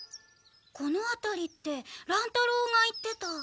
このあたりって乱太郎が言ってた。